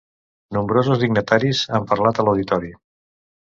Nombrosos dignataris han parlat a l'Auditori.